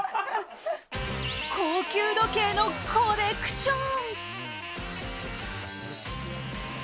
高級時計のコレクション。